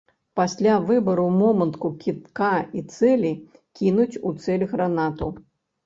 Пасля выбару моманту кідка і цэлі кінуць у цэль гранату.